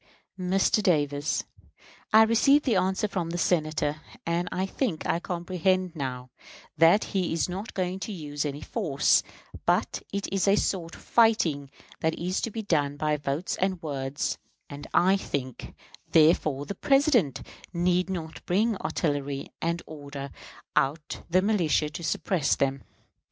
Mr. Davis: I receive the answer from the Senator, and I think I comprehend now that he is not going to use any force, but it is a sort of fighting that is to be done by votes and words; and I think, therefore, the President need not bring artillery and order out the militia to suppress them.